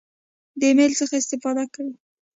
د ایمیل څخه استفاده کوئ؟